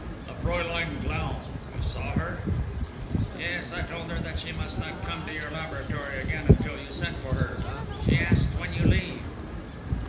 "The Fräulein Glaum, you saw her?" "Yes, I told her that she must not come to your laboratory again until you sent for her. She asked when you leave."